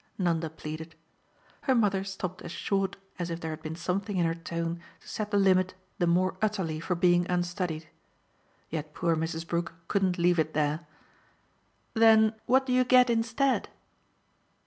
Nanda pleaded. Her mother stopped as short as if there had been something in her tone to set the limit the more utterly for being unstudied. Yet poor Mrs. Brook couldn't leave it there. "Then what do you get instead?"